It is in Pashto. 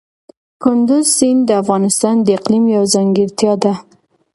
کندز سیند د افغانستان د اقلیم یوه ځانګړتیا ده.